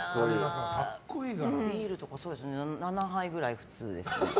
ビールとか７杯くらい普通です。